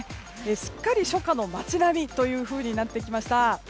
すっかり初夏の街並みというふうになってきました。